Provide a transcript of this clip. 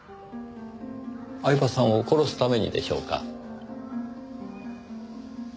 饗庭さんを殺すためにでしょうか？